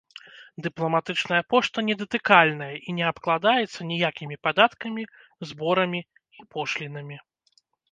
Дыпламатычная пошта недатыкальная і не абкладаецца ніякімі падаткамі, зборамі і пошлінамі.